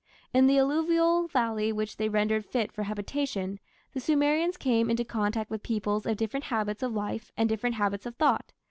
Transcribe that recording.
In the alluvial valley which they rendered fit for habitation the Sumerians came into contact with peoples of different habits of life and different habits of thought.